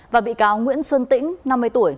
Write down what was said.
và bị cáo nguyễn xuân tĩnh năm mươi tuổi